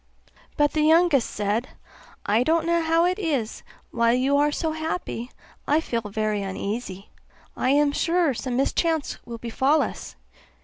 But the youngest said, 'I don't know how it is, while you are so happy I feel very uneasy; I am sure some mischance will befall us.